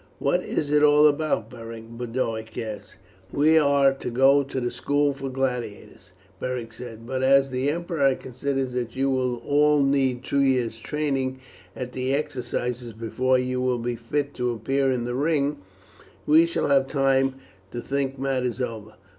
"What is it all about, Beric?" Boduoc asked. "We are to go to the school for gladiators," Beric said; "but as the emperor considers that you will all need two years' training at the exercises before you will be fit to appear in the ring, we shall have time to think matters over.